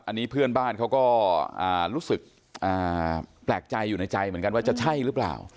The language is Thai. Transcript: อันนี้เพื่อนบ้านเขาก็รู้สึกแปลกใจอยู่ในใจเหมือนกันว่าจะใช่หรือเปล่า